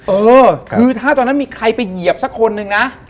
เออคือถ้าตอนนั้นมีใครไปเหยียบสักคนนึงนะ